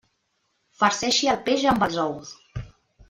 Farceixi el peix amb els ous.